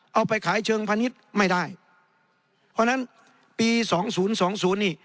เอาไปขายเชิงพะนิดไม่ได้เพราะฉะนั้นปี๒๐๒๐นี่